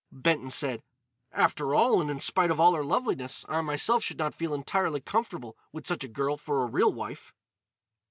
Benton said: "After all, and in spite of all her loveliness, I myself should not feel entirely comfortable with such a girl for a real wife."